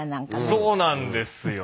そうなんですよ。